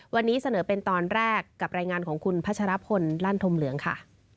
วันนี้เสนอเป็นตอนแรกกับรายงานของคุณพัชรพลลั่นธมเหลืองค่ะ